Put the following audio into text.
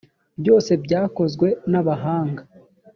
byose byakozwe n’bahanga